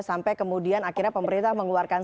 sampai kemudian akhirnya pemerintah mengeluarkan